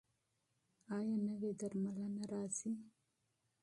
ایا نوې درملنه راځي؟